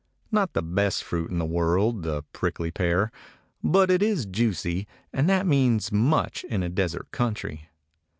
Not the best fruit in the world, the prickly pear, but it is juicy, and that means much in a desert country.